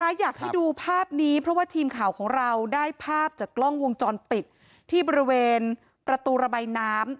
อยากให้ดูภาพนี้เพราะว่าทีมข่าวของเราได้ภาพจากกล้องวงจรปิดที่บริเวณประตูระบายน้ำ